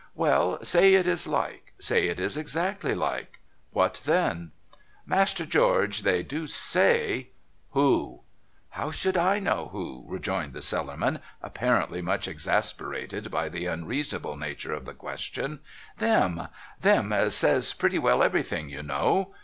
' Well, say it is like ; say it is exactly like. What then ?'' Master George, they do say '' \Vho ?'' How should I know who ?' rejoined the Cellarman, apparently much exasperated by the unreasonable nature of the question. ' Them ! Them as says pretty well everything, you know.